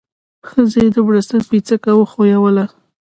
ښځې د بړستن پيڅکه وښويوله.